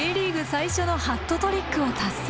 最初のハットトリックを達成。